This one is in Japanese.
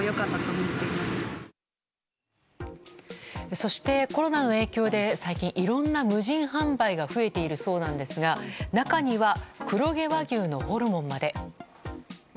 そして、コロナの影響で最近、いろんな無人販売が増えているそうなんですが中には黒毛和牛のホルモンまで。